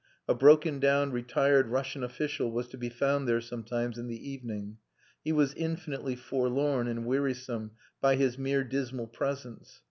A broken down, retired Russian official was to be found there sometimes in the evening. He was infinitely forlorn and wearisome by his mere dismal presence.